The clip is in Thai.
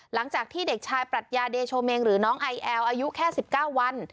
หลังจากที่เด็กชายปรัชญาเดโชเมงหรือน้องไอแอลอายุแค่๑๙วัน